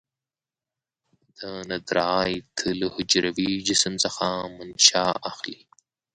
دندرایت له حجروي جسم څخه منشا اخلي.